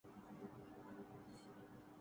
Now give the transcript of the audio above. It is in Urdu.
جسے صہیونیت کہا جا تا ہے۔